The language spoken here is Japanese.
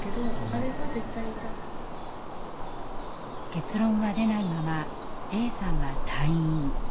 結論は出ないままＡさんは退院。